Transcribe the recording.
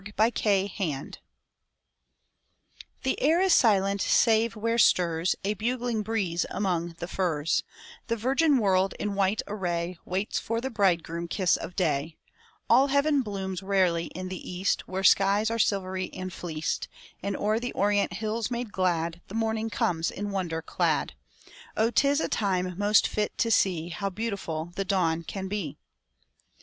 79 A WINTER DAY I The air is silent save where stirs A bugling breeze among the firs; The virgin world in white array Waits for the bridegroom kiss of day; All heaven blooms rarely in the east Where skies are silvery and fleeced, And o'er the orient hills made glad The morning comes in wonder clad ; Oh, 'tis a time most fit to see How beautiful the dawn can be!